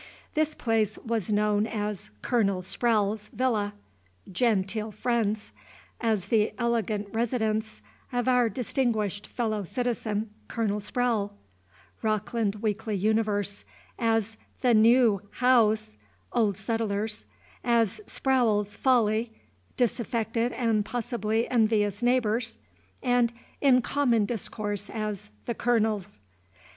This place was known as "Colonel Sprowle's villa," (genteel friends,) as "the elegant residence of our distinguished fellow citizen, Colonel Sprowle," (Rockland Weekly Universe,) as "the neew haouse," (old settlers,) as "Spraowle's Folly," (disaffected and possibly envious neighbors,) and in common discourse, as "the Colonel's."